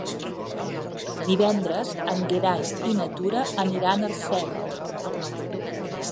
Divendres en Gerai i na Tura aniran a Arsèguel.